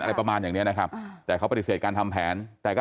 อะไรประมาณอย่างเนี้ยนะครับแต่เขาปฏิเสธการทำแผนแต่ก็